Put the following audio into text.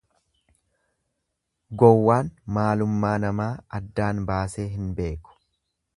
Gowwaan maalummaa namaa addaan baasee hin beeku.